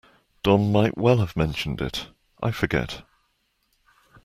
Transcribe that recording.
Don might well have mentioned it; I forget.